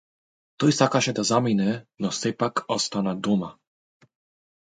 Тој сакаше да замине но сепак остана дома.